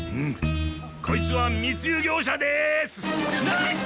こいつは密輸業者です！